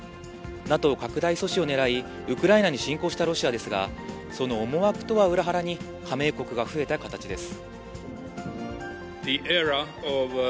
ＮＡＴＯ拡大阻止をねらい、ウクライナに侵攻したロシアですが、その思惑とは裏腹に、加盟国が増えた形です。